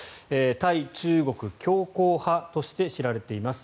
対中国強硬派として知られています。